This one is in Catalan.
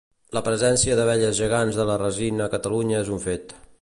La presència d'abelles gegants de la resina a Catalunya és un fet.